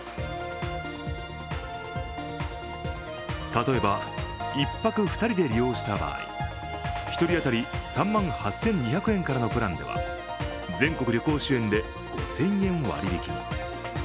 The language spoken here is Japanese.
例えば、１泊２人で使用した場合１人当たり３万８２００円からのプランでは全国旅行支援で５０００円割り引きに。